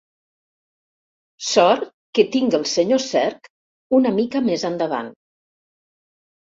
Sort que tinc el senyor Cerc una mica més endavant.